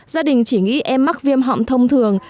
gia đình chỉ nghĩ em mắc viêm họng thông thường